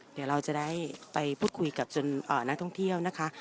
เดี๋ยวเราจะได้ไปพูดคุยกับนักท่องเที่ยวนะคะ